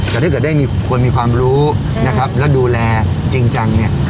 แต่ถ้าเกิดได้มีคนมีความรู้นะครับแล้วดูแลจริงจังเนี่ย